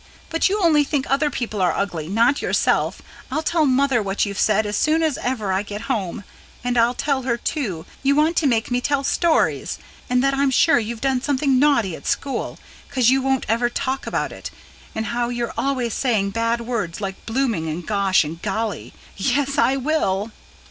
"But you only think other people are ugly, not yourself I'll tell mother what you've said as soon as ever I get home. And I'll tell her, too, you want to make me tell stories. And that I'm sure you've done something naughty at school, 'cause you won't ever talk about it. And how you're always saying bad words like blooming and gosh and golly yes, I will!"